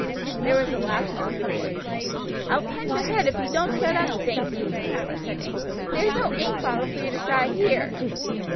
There was a laugh among the boys. "I will punch your head if you don't shut up, Sankey," Mather said angrily; "there's no ink bottle for you to shy here."